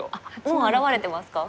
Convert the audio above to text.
もう表れてますか。